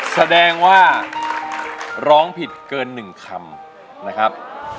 แสดงว่าร้องผิดเกิน๑คำนะครับ